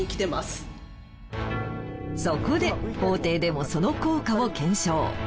そこで法廷でもその効果を検証。